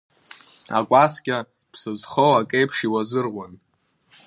Акәаскьа ԥсы зхоу акеиԥш иуазыруан…